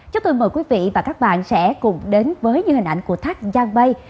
chúc tư mời quý vị và các bạn sẽ cùng đến với những hình ảnh của thác giang bay